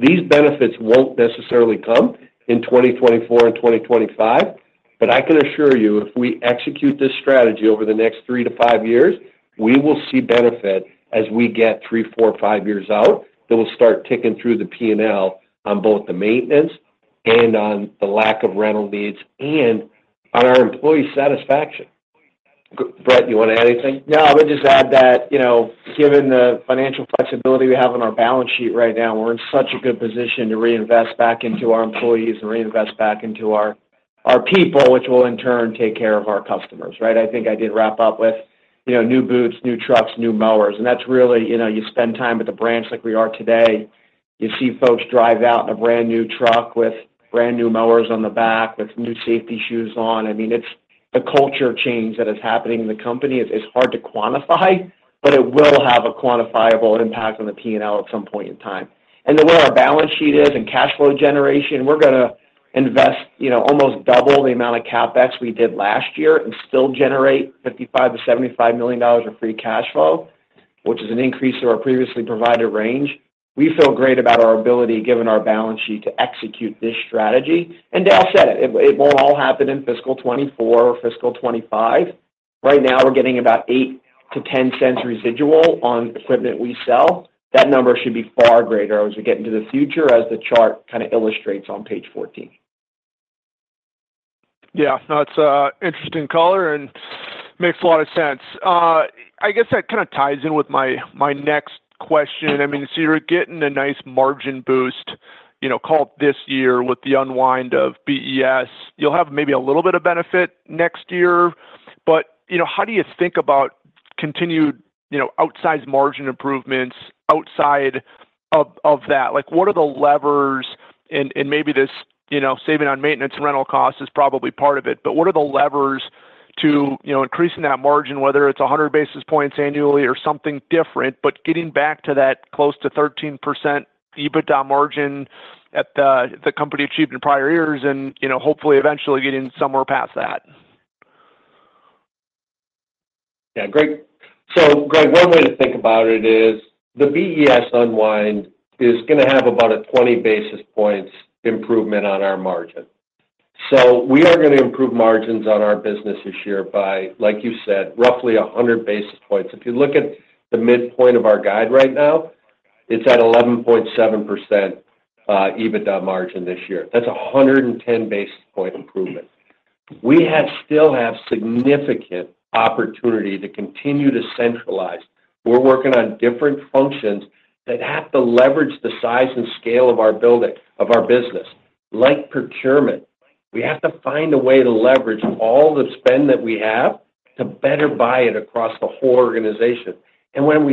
These benefits won't necessarily come in 2024 and 2025, but I can assure you, if we execute this strategy over the next 3-5 years, we will see benefit as we get 3, 4, 5 years out that will start ticking through the P&L on both the maintenance and on the lack of rental needs and on our employee satisfaction. Brett, you want to add anything? No, I would just add that given the financial flexibility we have on our balance sheet right now, we're in such a good position to reinvest back into our employees and reinvest back into our people, which will in turn take care of our customers, right? I think I did wrap up with new boots, new trucks, new mowers. That's really you spend time at the branch like we are today. You see folks drive out in a brand new truck with brand new mowers on the back, with new safety shoes on. I mean, it's a culture change that is happening in the company. It's hard to quantify, but it will have a quantifiable impact on the P&L at some point in time. The way our balance sheet is and cash flow generation, we're going to invest almost double the amount of CapEx we did last year and still generate $55 million-$75 million of free cash flow, which is an increase to our previously provided range. We feel great about our ability, given our balance sheet, to execute this strategy. Dale said it. It won't all happen in fiscal 2024 or fiscal 2025. Right now, we're getting about 8-10 cents residual on equipment we sell. That number should be far greater as we get into the future, as the chart kind of illustrates on page 14. Yeah, no, it's an interesting color and makes a lot of sense. I guess that kind of ties in with my next question. I mean, so you're getting a nice margin boost, call it, this year with the unwind of BES. You'll have maybe a little bit of benefit next year. How do you think about continued outsize margin improvements outside of that? What are the levers and maybe this saving on maintenance and rental cost is probably part of it, what are the levers to increasing that margin, whether it's 100 basis points annually or something different, getting back to that close to 13% EBITDA margin that the company achieved in prior years and hopefully, eventually, getting somewhere past that? Yeah, great. So, Greg, one way to think about it is the BES unwind is going to have about a 20 basis points improvement on our margin. We are going to improve margins on our business this year by, like you said, roughly 100 basis points. If you look at the midpoint of our guide right now, it's at 11.7% EBITDA margin this year. That's a 110 basis point improvement. We still have significant opportunity to continue to centralize. We're working on different functions that have to leverage the size and scale of our business, like procurement. We have to find a way to leverage all the spend that we have to better buy it across the whole organization. When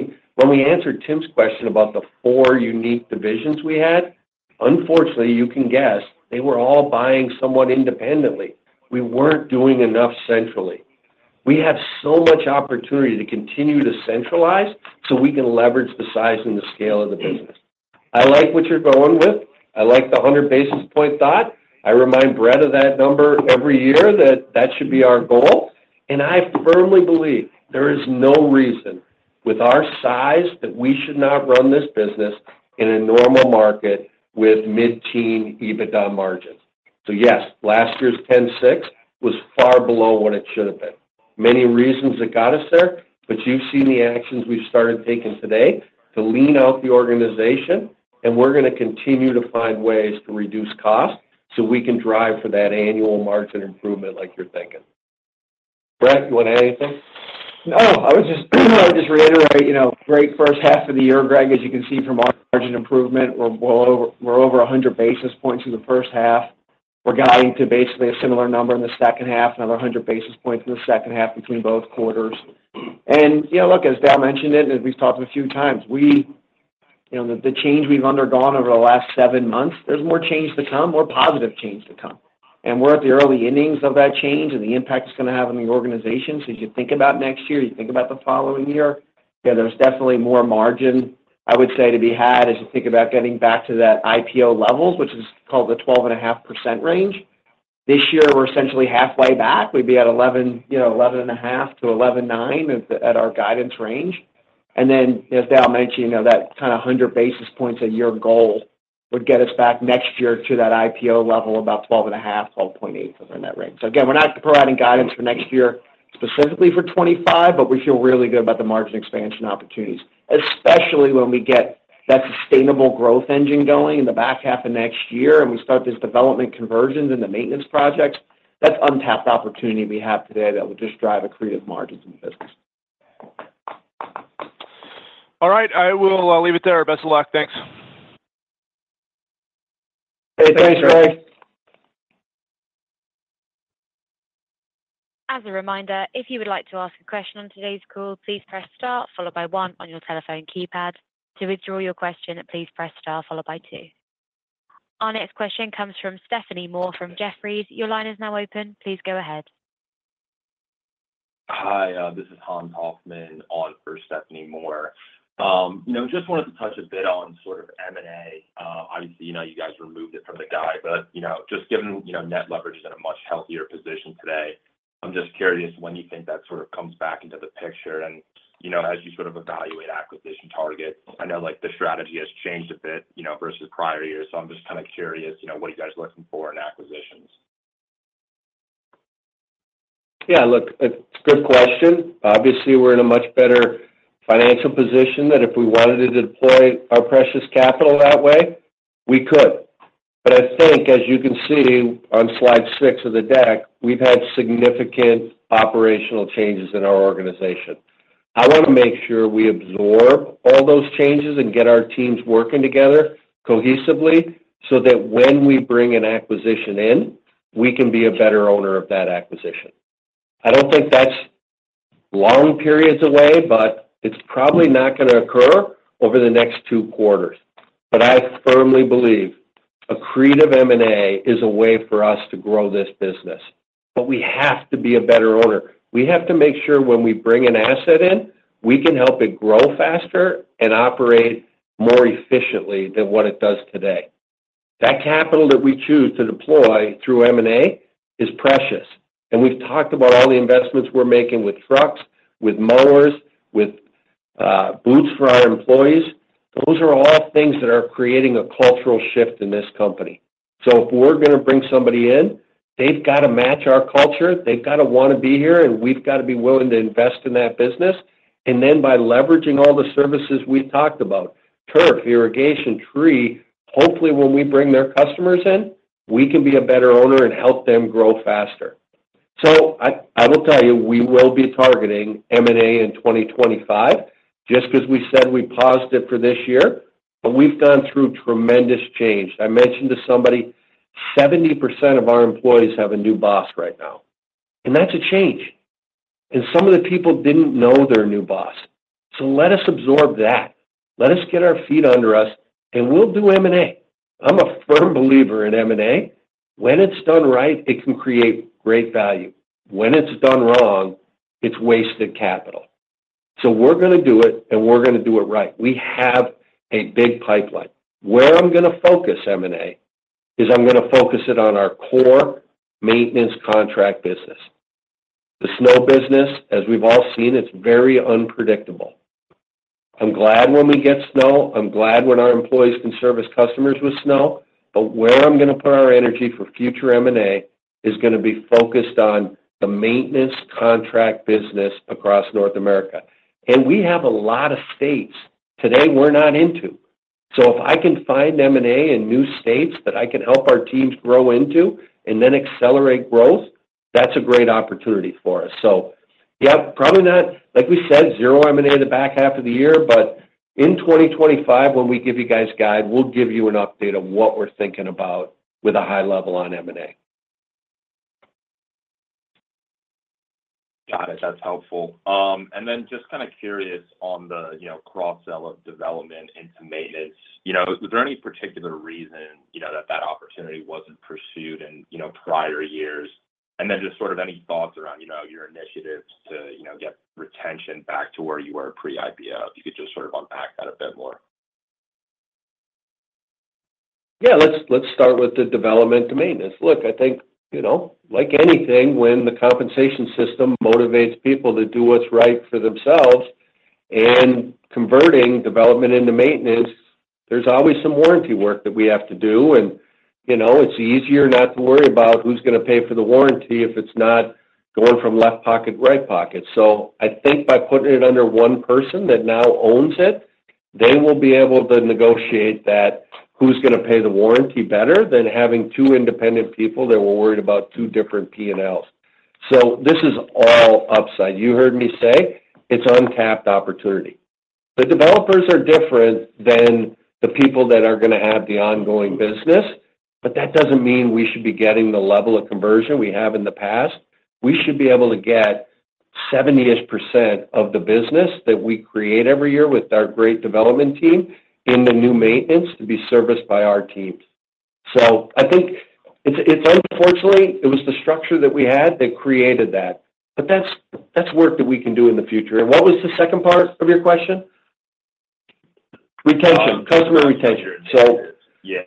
we answered Tim's question about the four unique divisions we had, unfortunately, you can guess, they were all buying somewhat independently. We weren't doing enough centrally. We have so much opportunity to continue to centralize, we can leverage the size and the scale of the business. I like what you're going with. I like the 100 basis point thought. I remind Brett of that number every year that that should be our goal. I firmly believe there is no reason with our size that we should not run this business in a normal market with mid-teens EBITDA margins. Yes, last year's 10.6% was far below what it should have been. Many reasons that got us there, but you've seen the actions we've started taking today to lean out the organization. We're going to continue to find ways to reduce cost so we can drive for that annual margin improvement like you're thinking. Brett, you want to add anything? No, I would just reiterate great first half of the year, Greg. As you can see from our margin improvement, we're over 100 basis points in the first half. We're going to basically a similar number in the second half, another 100 basis points in the second half between both quarters. Look, as Dale mentioned it, and we've talked a few times, the change we've undergone over the last seven months, there's more change to come, more positive change to come. At the early innings of that change, and the impact it's going to have on the organization. As you think about next year, you think about the following year, yeah, there's definitely more margin, I would say, to be had as you think about getting back to that IPO levels, which is called the 12.5% range. This year, we're essentially halfway back. We'd be at 11.5-11.9 at our guidance range. As Dale mentioned, that kind of 100 basis points a year goal would get us back next year to that IPO level about 12.5-12.8 within that range. Again, we're not providing guidance for next year specifically for 2025, but we feel really good about the margin expansion opportunities, especially when we get that sustainable growth engine going in the back half of next year and we start these development conversions in the maintenance projects. That's untapped opportunity we have today that will just drive a creative margin in the business. All right. I will leave it there. Best of luck. Thanks. Hey, thanks, Greg. As a reminder, if you would like to ask a question on today's call, please press star, followed by 1 on your telephone keypad. To withdraw your question, please press star followed by 2. Our next question comes from Stephanie Moore from Jefferies. Your line is now open. Please go ahead. Hi, this is Hans Hoffman on for Stephanie Moore. I wanted to touch a bit on sort of M&A. Obviously, you guys removed it from the guide, but just given net leverage is in a much healthier position today, I'm just curious when you think that sort of comes back into the picture. And as you sort of evaluate acquisition targets, I know the strategy has changed a bit versus prior years. I'm just kind of curious what you guys are looking for in acquisitions. Yeah, look, it's a good question. Obviously, we're in a much better financial position than if we wanted to deploy our precious capital that way, we could. I think, as you can see on slide 6 of the deck, we've had significant operational changes in our organization. I want to make sure we absorb all those changes and get our teams working together cohesively so that when we bring an acquisition in, we can be a better owner of that acquisition. I don't think that's long periods away, it's probably not going to occur over the next two quarters. I firmly believe a creative M&A is a way for us to grow this business. We have to be a better owner. We have to make sure when we bring an asset in, we can help it grow faster and operate more efficiently than what it does today. That capital that we choose to deploy through M&A is precious. We've talked about all the investments we're making with trucks, with mowers, with boots for our employees. Those are all things that are creating a cultural shift in this company. If we're going to bring somebody in, they've got to match our culture. They've got to want to be here, and we've got to be willing to invest in that business. Then by leveraging all the services we talked about, turf, irrigation, tree, hopefully, when we bring their customers in, we can be a better owner and help them grow faster. I will tell you, we will be targeting M&A in 2025 just because we said we paused it for this year. We've gone through tremendous change. I mentioned to somebody, 70% of our employees have a new boss right now. That's a change. Some of the people didn't know their new boss. Let us absorb that. Let us get our feet under us, and we'll do M&A. I'm a firm believer in M&A. When it's done right, it can create great value. When it's done wrong, it's wasted capital. So we're going to do it, and we're going to do it right. We have a big pipeline. Where I'm going to focus M&A is I'm going to focus it on our core maintenance contract business. The snow business, as we've all seen, it's very unpredictable. I'm glad when we get snow. I'm glad when our employees can service customers with snow. Where I'm going to put our energy for future M&A is going to be focused on the maintenance contract business across North America. We have a lot of states today we're not into. If I can find M&A in new states that I can help our teams grow into and then accelerate growth, that's a great opportunity for us. So yeah, probably not, like we said, zero M&A in the back half of the year. In 2025, when we give you guys' guide, we'll give you an update of what we're thinking about with a high level on M&A. Got it. That's helpful. Just kind of curious on the cross-sell of development into maintenance, was there any particular reason that that opportunity wasn't pursued in prior years? Then just sort of any thoughts around your initiatives to get retention back to where you were pre-IPO? If you could just sort of unpack that a bit more? Yeah, let's start with the development to maintenance. Look, I think like anything, when the compensation system motivates people to do what's right for themselves and converting development into maintenance, there's always some warranty work that we have to do. It's easier not to worry about who's going to pay for the warranty if it's not going from left pocket to right pocket. I think by putting it under one person that now owns it, they will be able to negotiate that who's going to pay the warranty better than having two independent people that were worried about two different P&Ls. So this is all upside. You heard me say it's untapped opportunity. The developers are different than the people that are going to have the ongoing business. That doesn't mean we should be getting the level of conversion we have in the past. We should be able to get 70-ish% of the business that we create every year with our great development team in the new maintenance to be serviced by our teams. I think, unfortunately, it was the structure that we had that created that. But that's work that we can do in the future. What was the second part of your question? Retention, customer retention. So yeah,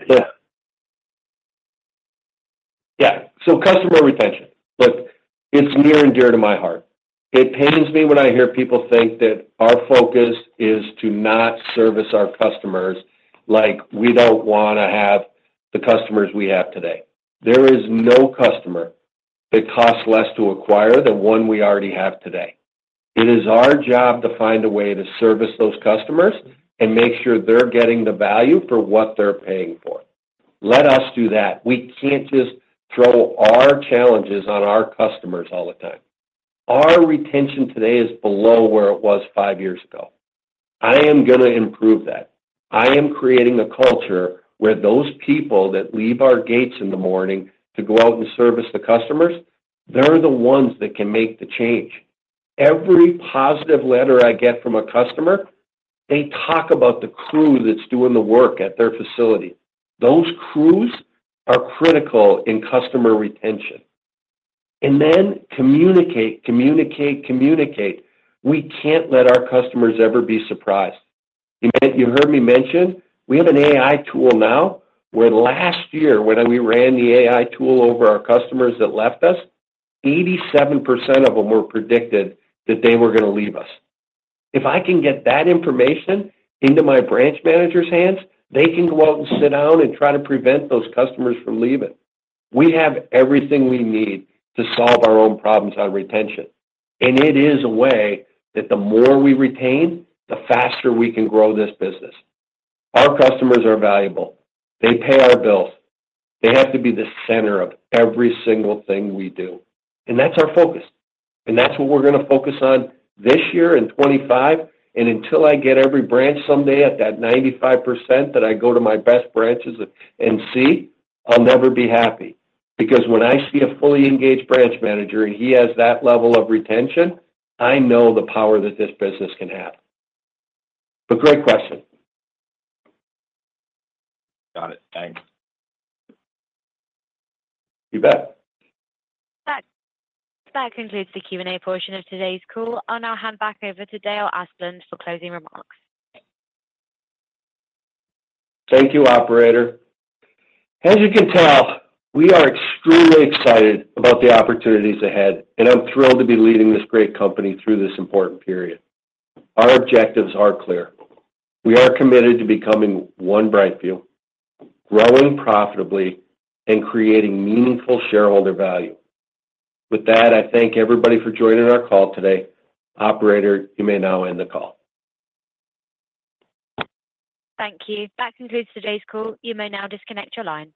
so customer retention. Look, it's near and dear to my heart. It pains me when I hear people think that our focus is to not service our customers like we don't want to have the customers we have today. There is no customer that costs less to acquire than one we already have today. It is our job to find a way to service those customers and make sure they're getting the value for what they're paying for. Let us do that. We can't just throw our challenges on our customers all the time. Our retention today is below where it was five years ago. I am going to improve that. I am creating a culture where those people that leave our gates in the morning to go out and service the customers, they're the ones that can make the change. Every positive letter I get from a customer, they talk about the crew that's doing the work at their facility. Those crews are critical in customer retention. And then communicate, communicate, communicate. We can't let our customers ever be surprised. You heard me mention we have an AI tool now where last year, when we ran the AI tool over our customers that left us, 87% of them were predicted that they were going to leave us. If I can get that information into my branch manager's hands, they can go out and sit down and try to prevent those customers from leaving. We have everything we need to solve our own problems on retention. It is a way that the more we retain, the faster we can grow this business. Our customers are valuable. They pay our bills. They have to be the center of every single thing we do. That's our focus. That's what we're going to focus on this year and 2025. Until I get every branch someday at that 95% that I go to my best branches and see, I'll never be happy. Because when I see a fully engaged branch manager and he has that level of retention, I know the power that this business can have. But great question. Got it. Thanks. You bet. That concludes the Q&A portion of today's call. I'll now hand back over to Dale Asplund for closing remarks. Thank you, operator. As you can tell, we are extremely excited about the opportunities ahead, and I'm thrilled to be leading this great company through this important period. Our objectives are clear. We are committed to becoming One BrightView, growing profitably, and creating meaningful shareholder value. With that, I thank everybody for joining our call today. Operator, you may now end the call. Thank you. That concludes today's call. You may now disconnect your line.